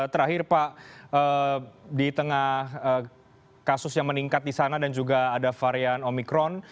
terakhir pak di tengah kasus yang meningkat di sana dan juga ada varian omikron